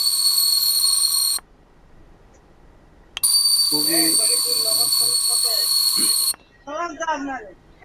ঐ একই সময়ে তৈরী জেমস উইলিয়ামসন এর "attack on a China mission station" ছবিটি আরও বিশেষভাবে উল্লেখযোগ্য।